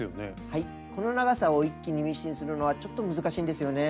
はいこの長さを一気にミシンするのはちょっと難しいんですよね。